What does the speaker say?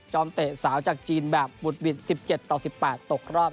เตะสาวจากจีนแบบบุดหวิด๑๗ต่อ๑๘ตกรอบ